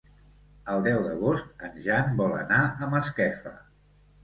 El deu d'agost en Jan vol anar a Masquefa.